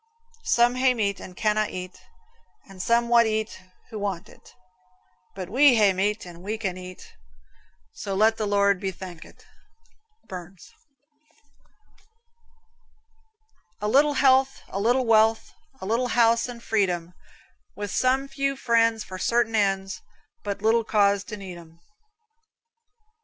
Some hae meat and canna' eat, And some wad eat who want it; But we hae meat and we can eat, So let the Lord be thankit. Burns. A little health, a little wealth, A little house and freedom, With some few friends for certain ends, But little cause to need 'em.